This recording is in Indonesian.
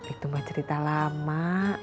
itu mah cerita lama